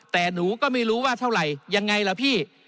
แต่หนูก็ไม่รู้ว่าเท่าไหร่ยังไงล่ะพี่